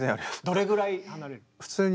どれぐらい離れる？